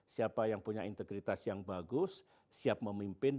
siapa yang punya integritas yang bagus siap memimpin